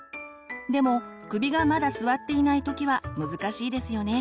でも首がまだ座っていない時は難しいですよね。